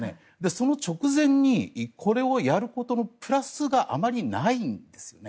その直前にこれをやることのプラスがあまりないんですよね。